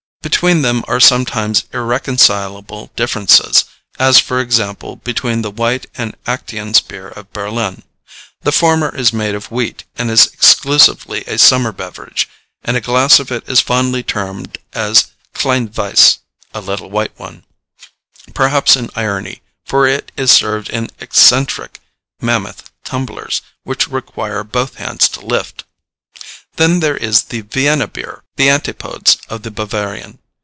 Between them are sometimes irreconcilable differences, as for example, between the white and Actiens beer of Berlin. The former is made of wheat, and is exclusively a summer beverage, and a glass of it is fondly termed a "kleine Weisse" (a little white one), perhaps in irony, for it is served in excentric mammoth tumblers, which require both hands to lift. Then there is the Vienna beer, the antipodes of the Bavarian.